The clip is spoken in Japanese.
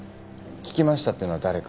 「聞きました」っていうのは誰から？